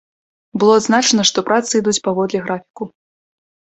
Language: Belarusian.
Было адзначана, што працы ідуць паводле графіку.